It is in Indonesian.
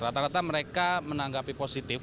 rata rata mereka menanggapi positif